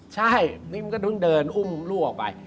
ใช่นี่มันก็ต้องเดินอุ้มลูกออกไป